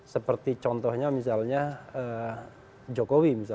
seperti contohnya misalnya jokowi